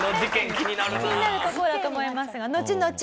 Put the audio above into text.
気になるところだと思いますがのちのち